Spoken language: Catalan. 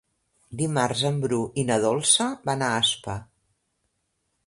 Dimarts en Bru i na Dolça van a Aspa.